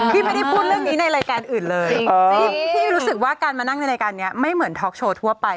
พี่ไม่ได้พูดเรื่องนี้ในรายการอื่นเลยพี่รู้สึกว่าการมานั่งในรายการนี้ไม่เหมือนท็อกโชว์ทั่วไป